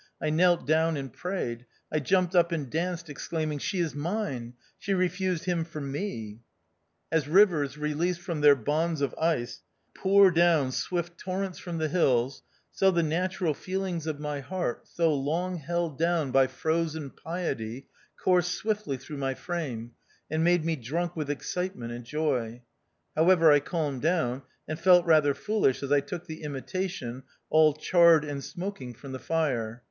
I knelt down and prayed. I jumped up and danced, exclaiming, " She is mine ! She refused him for me !" As rivers, released from their bonds of ice, pour down swift torrents from the hills, so the natural feel ings of my heart, so long held down by frozen piety, coursed swiftly through my frame, and made me drunk with excitement and joy. However, I calmed down, and felt rather foolish as I took the ' Imitation,' all charred and smoking, from the fire.